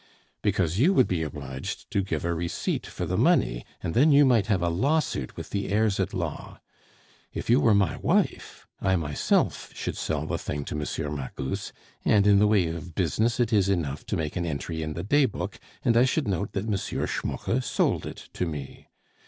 "Because you would be obliged to give a receipt for the money, and then you might have a lawsuit with the heirs at law. If you were my wife, I myself should sell the thing to M. Magus, and in the way of business it is enough to make an entry in the day book, and I should note that M. Schmucke sold it to me.